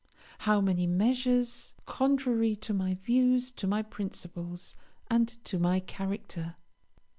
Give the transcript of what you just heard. how many measures, contrary to my views, to my principles, and to my character!